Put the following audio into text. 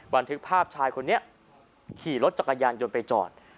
บันทึกภาพชายคนนี้ขี่รถจักรยานยนต์ไปจอด